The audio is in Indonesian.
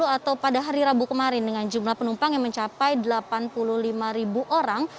atau pada hari rabu kemarin dengan jumlah penumpang yang mencapai delapan puluh lima ribu orang